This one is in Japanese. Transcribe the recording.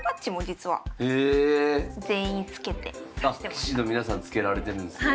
棋士の皆さん着けられてるんですね。